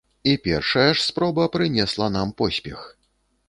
І першая ж спроба прынесла нам поспех!